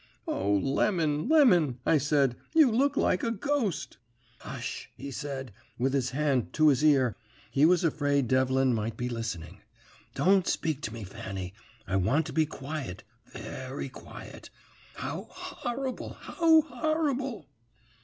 "'O, Lemon, Lemon,' I said, 'you look like a ghost!' "'Hush!' he said, with his hand to his ear; he was afraid Devlin might be listening. 'Don't speak to me, Fanny; I want to be quiet, very quiet. How horrible, how horrible!'